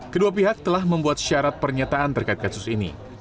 kedua pihak telah membuat syarat pernyataan terkait kasus ini